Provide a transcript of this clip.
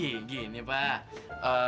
eh ghi ghi nih pak